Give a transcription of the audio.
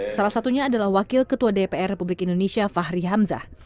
salah satunya adalah wakil ketua dpr republik indonesia fahri hamzah